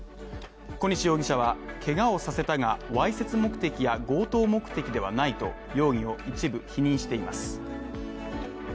小西容疑者はけがをさせたが、わいせつ目的や強盗目的ではないと容疑を一部否認しています。